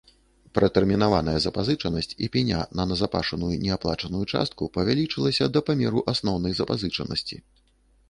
Пратэрмінаваная запазычанасць і пеня на назапашаную неаплачаную частку павялічылася да памеру асноўнай запазычанасці.